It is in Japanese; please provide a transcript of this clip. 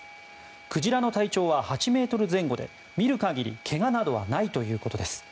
クジラの体長は８ｍ前後で見る限りけがなどはないということです。